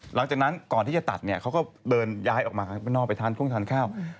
หลังจากนั้นก่อนที่จะตัดเนี่ยเขาก็เดินย้ายออกมาข้างนอกไปทานทุ่งทานข้าว